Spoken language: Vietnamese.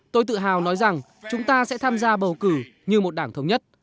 tôi tự hào nói rằng chúng ta sẽ tham gia bầu cử như một đảng thống nhất